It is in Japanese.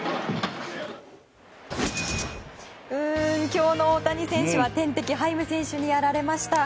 今日の大谷選手は天敵ハイム選手にやられました。